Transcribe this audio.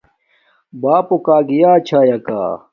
بݳپݸ کݳ گیݳئی چھݳئَکݳ؟